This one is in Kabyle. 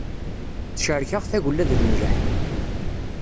Tecrek-aɣ tagella d lemleḥ.